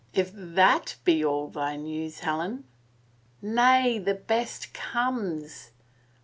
If that be all thy news, Helen —"•" Nay, the best comes